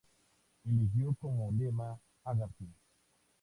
Eligió como lema: ""Hágase".